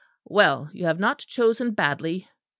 Well, you have not chosen badly.